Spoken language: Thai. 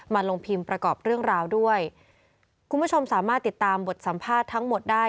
ลงพิมพ์ประกอบเรื่องราวด้วยคุณผู้ชมสามารถติดตามบทสัมภาษณ์ทั้งหมดได้